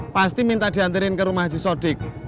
pasti minta diantarin ke rumah haji sodik